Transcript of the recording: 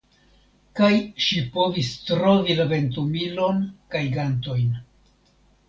Kaj ŝi povos trovi la ventumilon kaj gantojn.